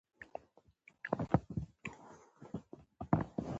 ځينې غله له افغانستانه د غلا موټران دلته راولي.